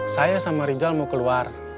saya sama rijal mau keluar